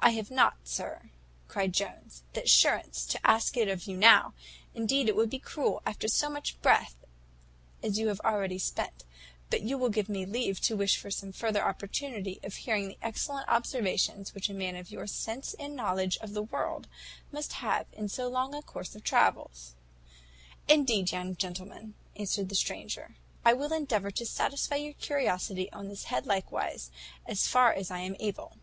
"I have not, sir," cried Jones, "the assurance to ask it of you now; indeed it would be cruel, after so much breath as you have already spent: but you will give me leave to wish for some further opportunity of hearing the excellent observations which a man of your sense and knowledge of the world must have made in so long a course of travels." "Indeed, young gentleman," answered the stranger, "I will endeavour to satisfy your curiosity on this head likewise, as far as I am able."